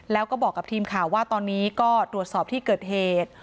แล้วก็บอกกับทีมข่าวว่าตอนนี้ก็ตรวจสอบที่เกิดเหตุ